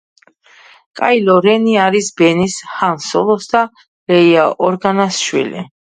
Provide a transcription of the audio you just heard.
კაილო რენი არის ბენის, ჰან სოლოს და ლეია ორგანას შვილი.